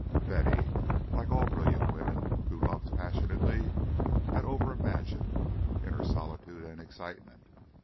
Betty, like all brilliant women who love passionately, had over imagined, in her solitude and excitement.